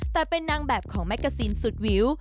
แต่เป็นนางแบบของแกซีนสุดวิว